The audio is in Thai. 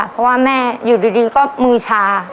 เพราะว่าแม่อยู่ดีก็มือชา